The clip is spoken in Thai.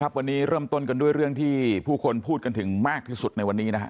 วันนี้เริ่มต้นกันด้วยเรื่องที่ผู้คนพูดกันถึงมากที่สุดในวันนี้นะครับ